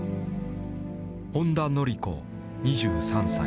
本多のり子２３歳。